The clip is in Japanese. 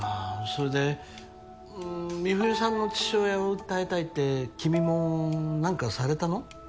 それで美冬さんの父親を訴えたいって君も何かされたの？